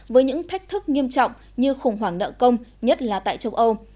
với những thách thức nghiêm trọng như khủng hoảng nợ công nhất là tại châu âu